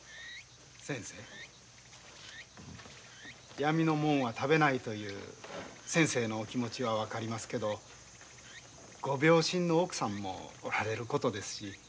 やみのもんは食べないという先生のお気持ちは分かりますけどご病身の奥さんもおられることですし。